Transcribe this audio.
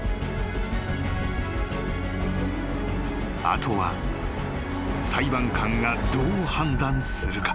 ［後は裁判官がどう判断するか？］